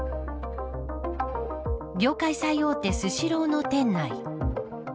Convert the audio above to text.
業界最大手スシローの店内。